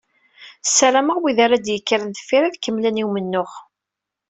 Ssarameɣ wigad ara d-yekkren deffir, ad kemmlen i umennuɣ.